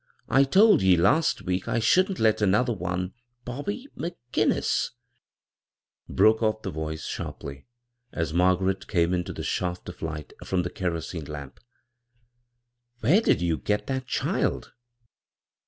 " I told ye last week I shouldn't let another one — Bobby McGinnisI" broke off the voice sharply, as Margaret came into the shaft of light from the kerosene lamp. " Where did you get that duld?"